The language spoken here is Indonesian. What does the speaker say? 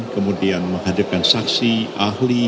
kemudian menghadirkan saksi ahli